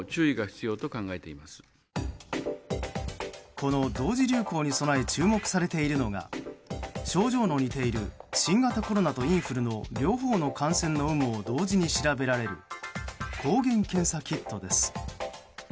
この同時流行に備え注目されているのが症状の似ている新型コロナとインフルの両方の感染の有無を同時に調べられる抗原検査キットです。